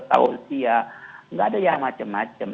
tawusiyah gak ada yang macem macem